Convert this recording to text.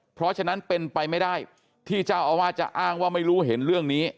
เพราะฉะนั้นเป็นไปไม่ได้ที่เจ้าอาวาสจะอ้างว่าไม่รู้เห็นเรื่องนี้